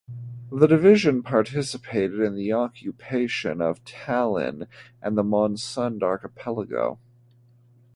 The division participated in the occupation of Tallinn and the Moonsund Archipelago.